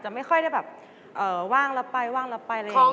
จะไม่ค่อยได้แบบว่างแล้วไปอะไรอย่างนี้ค่ะ